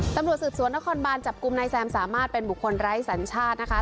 ตำรวจสืบสวนและคอนบานจับกลุ่มในแซมสามารถเป็นบุคคลร้ายศาลชาตินะคะ